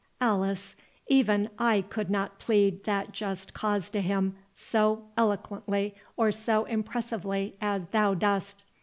Alice, even I could not plead that just cause to him so eloquently or so impressively as thou dost.